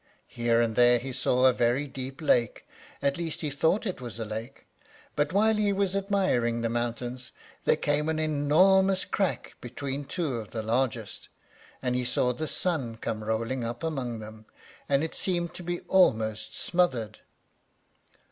Here and there he saw a very deep lake, at least he thought it was a lake; but while he was admiring the mountains, there came an enormous crack between two of the largest, and he saw the sun come rolling up among them, and it seemed to be almost smothered.